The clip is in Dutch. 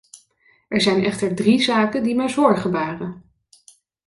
Er zijn echter drie zaken die mij zorgen baren.